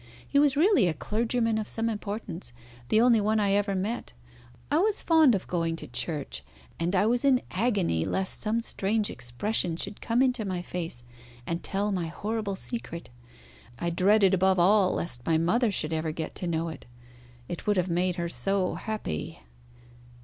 He was really a clergyman of some importance, the only one I ever met. I was fond of going to church, and I was in agony lest some strange expression should come into my face and tell my horrible secret. I dreaded above all lest my mother should ever get to know it. It would have made her so happy."